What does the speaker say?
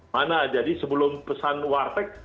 mana jadi sebelum pesan warteg